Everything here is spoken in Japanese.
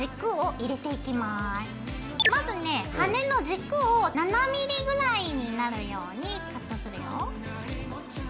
まずね羽根の軸を７ｍｍぐらいになるようにカットするよ。